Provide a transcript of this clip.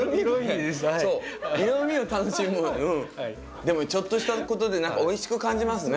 でもちょっとしたことで何かおいしく感じますね。